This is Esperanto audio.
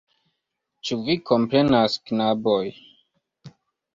Ĉu vi komprenas, knaboj?